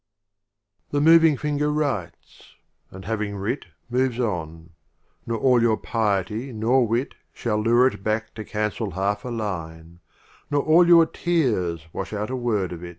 LXXI. The Moving Finger writes; and, having writ, Moves on: nor all your Piety nor Wit Shall lure it back to cancel half a Line, Nor all your Tears wash out a Word of it.